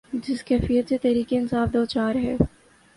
جس کیفیت سے تحریک انصاف دوچار ہے۔